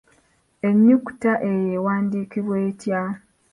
Ennyukuta eyo ewandiikibwa etya?